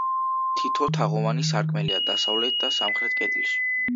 თითო თაღოვანი სარკმელია დასავლეთ და სამხრეთ კედლებში.